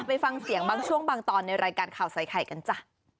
ไปฟังเสียงบางช่วงบางตอนในรายการข่าวใส่ไข่กันจ้ะ